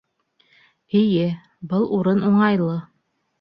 Эйе, был урын уңайлы